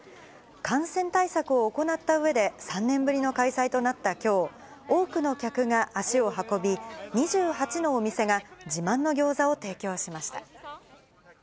感染対策を行ったうえで、３年ぶりの開催となったきょう、多くの客が足を運び、２８のお店が自慢の餃子を提供しました。